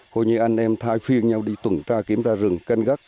coi như anh em thai phiên nhau đi tuần tra kiểm tra rừng canh gác